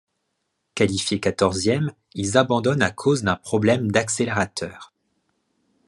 Qualifiés quatorzième, ils abandonnent à cause d'un problème d'accélérateur.